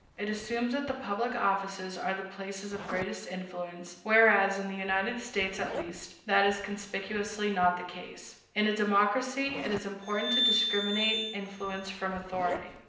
It assumes that the public offices are the places of greatest influence; whereas, in the United States, at least, that is conspicuously not the case. In a democracy, it is important to discriminate influence from authority.